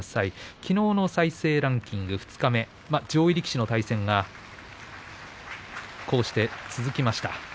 きのうの再生ランキング、二日目上位力士の対戦がこうして続きました。